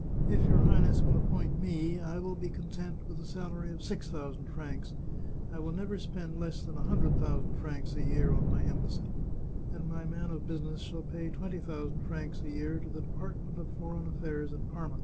If your Highness will appoint me I will be content with a salary of six thousand francs; I will never spend less than a hundred thousand francs a year on my embassy, and my man of business shall pay twenty thousand francs a year to 109 The Chartreuse of Parma the Department of Foreign Affairs at Parma.